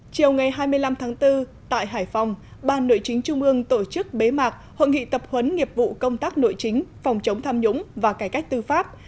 chiều ngày hai mươi năm tháng bốn tại hải phòng ban nội chính trung ương tổ chức bế mạc hội nghị tập huấn nghiệp vụ công tác nội chính phòng chống tham nhũng và cải cách tư pháp